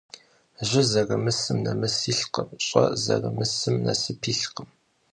Jı zerımısım nemıs yilhkhım, ş'e zerımısım nasıp yilhkhım.